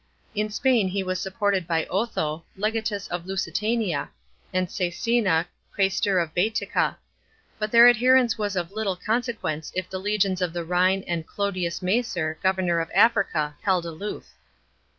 In Spain he was supported by Otho, leiiatus of Lusitania, and Cascina, qusestor of Bastica ; but their adherence was of little consequence if the legions of the Rhine and Clodius Macer, governor ot Africa, held aloof.